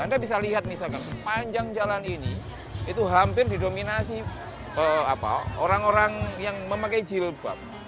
anda bisa lihat misalkan sepanjang jalan ini itu hampir didominasi orang orang yang memakai jilbab